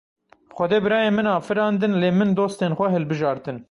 Xwedê birayên min afirandin, lê min dostên xwe hilbijartin.